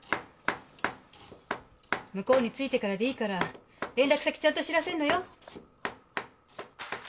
向こうに着いてからでいいから連絡先ちゃんと知らせるのよ。